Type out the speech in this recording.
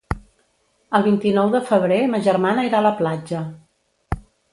El vint-i-nou de febrer ma germana irà a la platja.